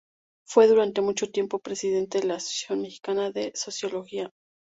Fue durante mucho tiempo presidente de la Asociación Mexicana de Sociología.